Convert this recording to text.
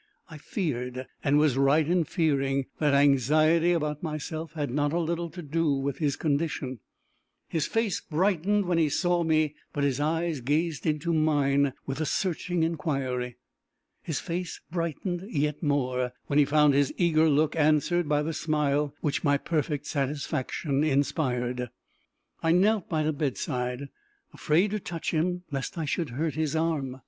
I feared, and was right in fearing, that anxiety about myself had not a little to do with his condition. His face brightened when he saw me, but his eyes gazed into mine with a searching inquiry. His face brightened yet more when he found his eager look answered by the smile which my perfect satisfaction inspired. I knelt by the bedside, afraid to touch him lest I should hurt his arm.